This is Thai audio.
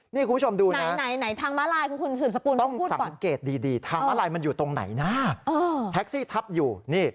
นี่คุณผู้ชมดูนะต้องสังเกตดีทางม้าลายมันอยู่ตรงไหนนะแท็กซี่ทับอยู่